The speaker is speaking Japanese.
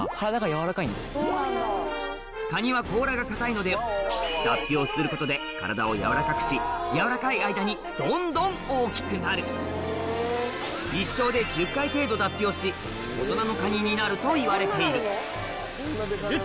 カニは甲羅が硬いので脱皮をすることで体を柔らかくし柔らかい間にどんどん大きくなる大人のカニになるといわれているすると！